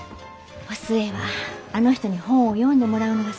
お寿恵はあの人に本を読んでもらうのが好きだったからね。